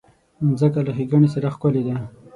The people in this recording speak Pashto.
مځکه له ښېګڼې سره ښکلې ده.